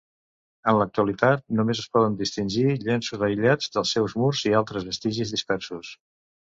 En l'actualitat només es poden distingir llenços aïllats dels seus murs i altres vestigis dispersos.